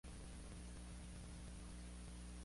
El nuevo entrenador azulgrana sustituye a García Sanjuán.